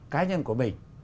cái nhân của mình